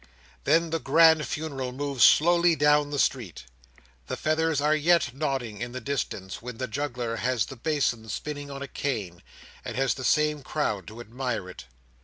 Then the grand funeral moves slowly down the street. The feathers are yet nodding in the distance, when the juggler has the basin spinning on a cane, and has the same crowd to admire it.